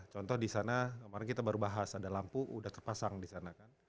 contoh disana kemarin kita baru bahas ada lampu udah terpasang disana kan